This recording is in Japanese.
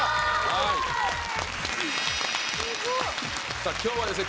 さあ今日はですね